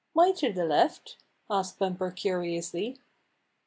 "Why to the left?" asked Bumper curiously.